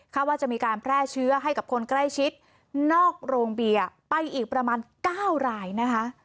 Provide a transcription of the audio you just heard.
ว่าจะมีการแพร่เชื้อให้กับคนใกล้ชิดนอกโรงเบียร์ไปอีกประมาณ๙รายนะคะ